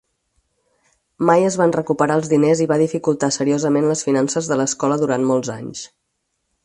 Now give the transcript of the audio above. Mai es van recuperar els diners i va dificultar seriosament les finances de l'escola durant molts anys.